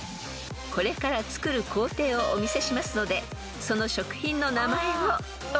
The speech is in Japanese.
［これから作る工程をお見せしますのでその食品の名前をお答えください］